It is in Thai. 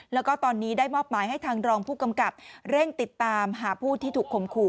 แล้วก็ตอนนี้ได้มอบหมายให้ทางรองผู้กำกับเร่งติดตามหาผู้ที่ถูกข่มขู่